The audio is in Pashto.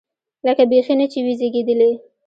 لکه بيخي نه چې وي زېږېدلی.